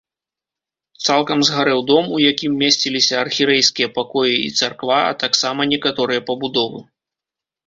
Цалкам згарэў дом, у якім месціліся архірэйскія пакоі і царква, а таксама некаторыя пабудовы.